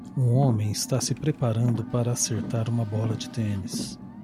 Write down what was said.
Um homem está se preparando para acertar uma bola de tênis.